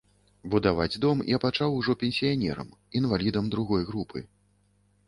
Будаваць дом я пачаў ужо пенсіянерам, інвалідам другой групы.